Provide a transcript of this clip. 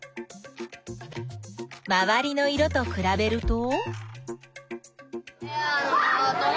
まわりの色とくらべると？